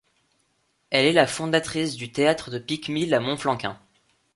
Elle est la fondatrice du théâtre de Piquemil à Monflanquin.